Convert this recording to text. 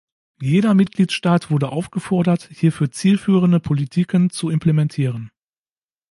Jeder Mitgliedstaat wurde aufgefordert, hierfür zielführende Politiken zu implementieren.